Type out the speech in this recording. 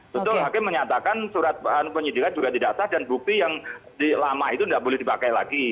betul hakim menyatakan surat bahan penyidikan juga tidak sah dan bukti yang lama itu tidak boleh dipakai lagi